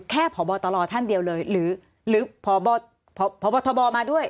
พบตรท่านเดียวเลยหรือพบทบมาด้วย